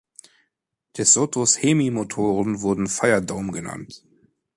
DeSotos Hemi-Motoren wurden Fire Dome genannt.